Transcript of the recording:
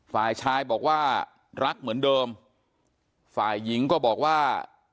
ฝ่ายชายบอกว่ารักเหมือนเดิมฝ่ายหญิงก็บอกว่า